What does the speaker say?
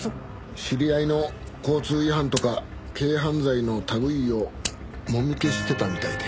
知り合いの交通違反とか軽犯罪の類いをもみ消してたみたいで。